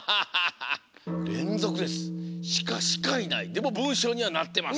でもぶんしょうにはなってます。